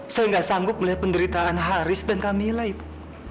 saya tidak sanggup melihat penderitaan haris dan kamila ibu